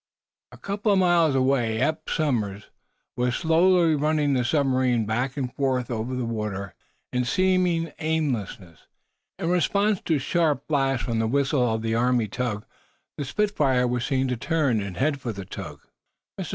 A couple of miles away Eph Somers was slowly running the submarine back and forth over the water in seeming aimlessness. In response to sharp blasts from the whistle of the Army tug, the "Spitfire" was seen to turn and head for the tug. "Mr.